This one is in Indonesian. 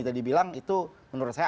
tadi bilang itu menurut saya